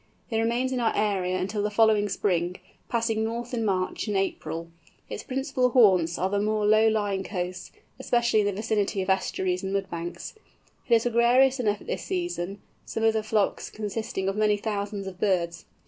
It remains in our area until the following spring, passing north in March and April. Its principal haunts are the more low lying coasts, especially in the vicinity of estuaries and mud banks. It is gregarious enough at this season, some of the flocks consisting of many thousands of birds.